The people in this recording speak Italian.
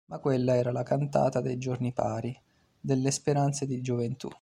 Ma quella era "la cantata dei giorni pari", delle speranze di gioventù.